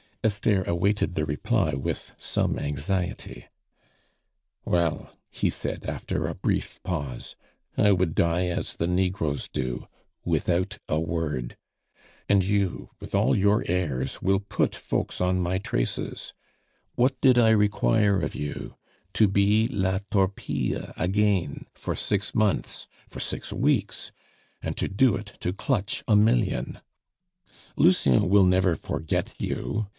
Esther awaited the reply with some anxiety. "Well," he said after a brief pause, "I would die as the Negroes do without a word. And you, with all your airs will put folks on my traces. What did I require of you? To be La Torpille again for six months for six weeks; and to do it to clutch a million. "Lucien will never forget you.